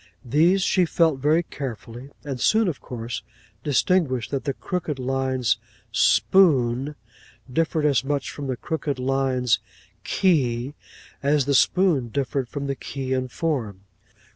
These she felt very carefully, and soon, of course, distinguished that the crooked lines spoon, differed as much from the crooked lines key, as the spoon differed from the key in form.